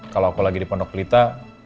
kalau aku lagi di pondok pelita